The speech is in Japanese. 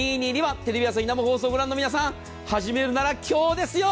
テレビ朝日生放送をご覧の皆さん始めるなら今日ですよ！